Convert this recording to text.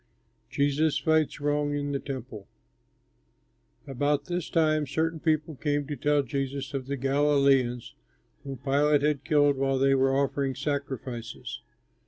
JESUS FIGHTS WRONG IN THE TEMPLE About this time certain people came to tell Jesus of the Galileans whom Pilate had killed while they were offering sacrifices.